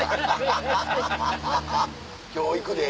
「今日行くで」。